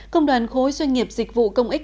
công đoàn khối doanh nghiệp dịch vụ công ích